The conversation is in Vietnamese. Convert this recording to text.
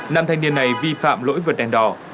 nam thanh niên này vi phạm lỗi vượt đèn đỏ